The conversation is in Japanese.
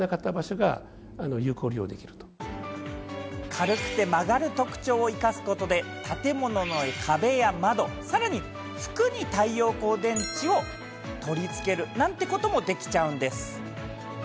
軽くて曲がる特徴を生かすことで建物の壁や窓、さらに服に太陽光電池を取り付けるなんてこともできちゃうんです。